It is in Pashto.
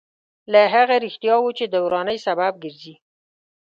له هغه رښتیاوو چې د ورانۍ سبب ګرځي.